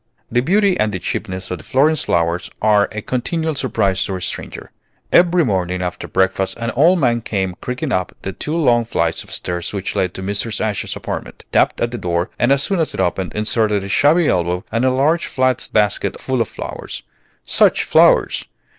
The beauty and the cheapness of the Florence flowers are a continual surprise to a stranger. Every morning after breakfast an old man came creaking up the two long flights of stairs which led to Mrs. Ashe's apartment, tapped at the door, and as soon as it opened, inserted a shabby elbow and a large flat basket full of flowers. Such flowers!